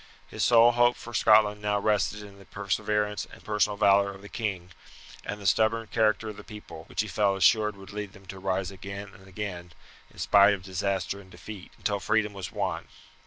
His sole hope for Scotland now rested in the perseverance and personal valour of the king, and the stubborn character of the people, which he felt assured would lead them to rise again and again, in spite of disaster and defeat, until freedom was won.